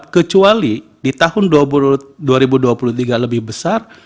kecuali di tahun dua ribu dua puluh tiga lebih besar